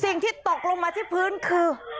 สิ่งที่ตกลงมาที่พื้นคือ